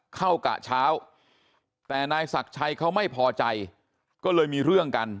กะเช้าแต่นายศักดิ์ชัยเขาไม่พอใจก็เลยมีเรื่องกัน